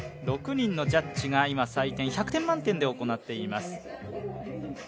６人のジャッジが今、採点１００点満点で行っています。